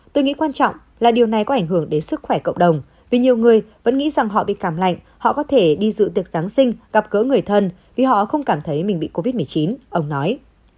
tôi nghĩ quan trọng là điều này có ảnh hưởng đến sức khỏe cộng đồng vì nhiều người vẫn nghĩ rằng họ bị cảm lạnh họ có thể đi dự tiệc giáng sinh gặp gỡ người thân vì họ không cảm thấy mình bị covid một mươi chín ông nói